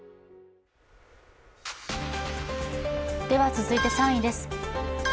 続いて３位です。